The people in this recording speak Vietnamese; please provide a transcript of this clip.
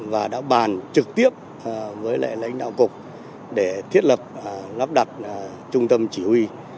và đã bàn trực tiếp với lãnh đạo cục để thiết lập lắp đặt trung tâm chỉ huy